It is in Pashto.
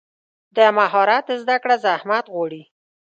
د مهارت زده کړه زحمت غواړي.